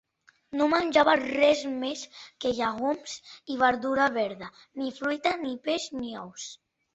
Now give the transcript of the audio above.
No menjava res més que llegums i verdura verda; ni fruita, ni peix ni ous.